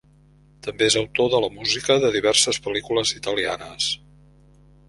També és autor de la música de diverses pel·lícules italianes.